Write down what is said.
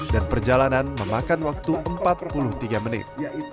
dan perjalanan memakan waktu empat puluh tiga menit